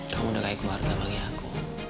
kamu udah kayak keluarga bagi aku